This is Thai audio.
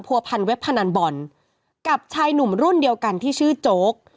พันเว็บพนันบอลกับชายหนุ่มรุ่นเดียวกันที่ชื่อโจ๊ก